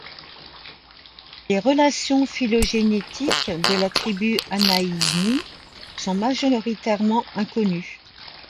Les relations phylogénétiques de la tribu Anaeini sont majoritairement inconnues.